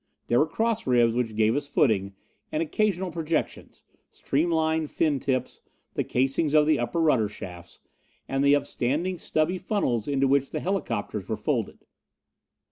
There were cross ribs which gave us footing, and occasional projections streamline fin tips, the casings of the upper rudder shafts, and the upstanding stubby funnels into which the helicopters were folded.